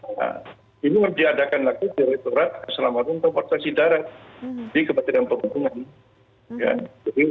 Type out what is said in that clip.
nah ini membiadakan lagi direktorat keselamatan transportasi darat di kepertian pertumbuhan